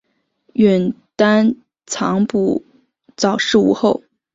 允丹藏卜早逝无后。